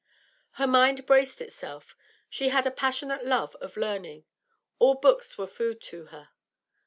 Her mind braced itself. She had a passionate love of learning; all books were food to her.